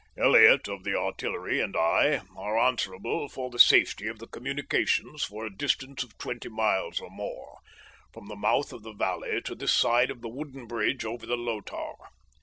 Elliott of the Artillery, and I, are answerable for the safety of the communications for a distance of twenty miles or more, from the mouth of the valley to this side of the wooden bridge over the Lotar.